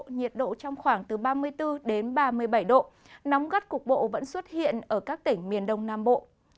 nhiệt độ trong khoảng từ ba mươi bốn đến ba mươi bảy độ nóng gắt cục bộ vẫn xuất hiện ở các tỉnh miền đông nam bộ